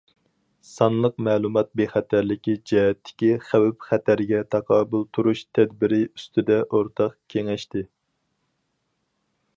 سانلىق مەلۇمات بىخەتەرلىكى جەھەتتىكى خەۋپ- خەتەرگە تاقابىل تۇرۇش تەدبىرى ئۈستىدە ئورتاق كېڭەشتى.